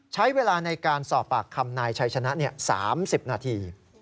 ใช้เวลาในการสอบปากคำนายชัยชนะ๓๐นาที